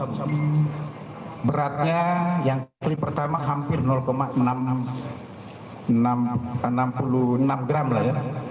beratnya yang kali pertama hampir enam puluh enam gram lah ya